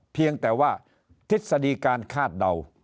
เพียงแต่ว่าทฤษฎีการคาดเดา